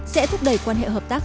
sẽ thúc đẩy quan hệ hợp tác